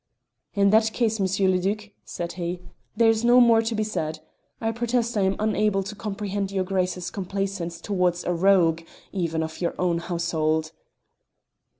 "In that case, M. le Duc," said he, "there is no more to be said. I protest I am unable to comprehend your Grace's complacence towards a rogue even of your own household."